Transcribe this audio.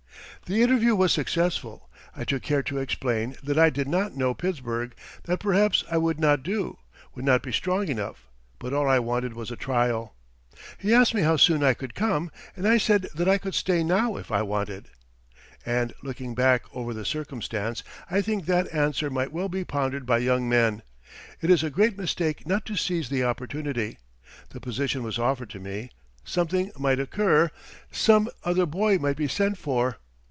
The interview was successful. I took care to explain that I did not know Pittsburgh, that perhaps I would not do, would not be strong enough; but all I wanted was a trial. He asked me how soon I could come, and I said that I could stay now if wanted. And, looking back over the circumstance, I think that answer might well be pondered by young men. It is a great mistake not to seize the opportunity. The position was offered to me; something might occur, some other boy might be sent for.